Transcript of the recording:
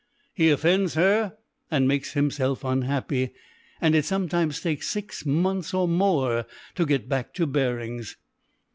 He offends her and makes himself unhappy, and it sometimes takes six months or more to get back to bearings."